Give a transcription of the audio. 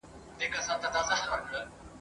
لکه نه وې زېږېدلی لکه نه وي چا لیدلی ..